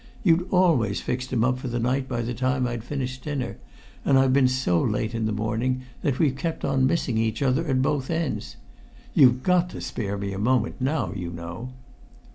You'd always fixed him up for the night by the time I'd finished dinner, and I've been so late in the morning that we've kept on missing each other at both ends. You've got to spare me a moment now, you know!"